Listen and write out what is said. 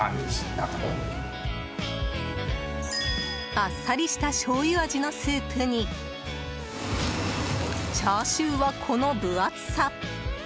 あっさりしたしょうゆ味のスープにチャーシューは、この分厚さ。